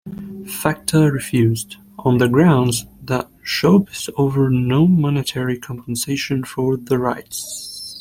Fechter refused, on the grounds that Showbiz offered no monetary compensation for the rights.